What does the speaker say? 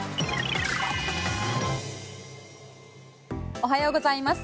おはようございます。